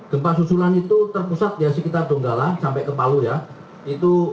gempa susulan itu terpusat sekitar donggala sampai ke palu